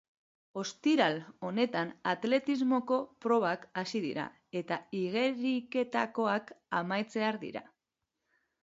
Ostiral honetan atletismoko probak hasi dira, eta igeriketakoak amaitzear dira.